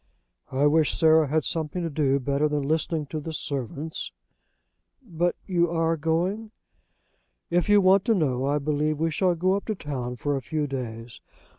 "I wish Sarah had something to do better than listening to the servants?" "But you are going?" "If you want to know, I believe we shall go up to town for a few days.